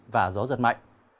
và gió giật mạnh